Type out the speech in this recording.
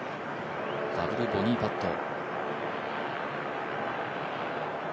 ダブルボギーパット。